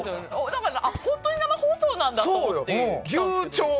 本当に生放送なんだと思って。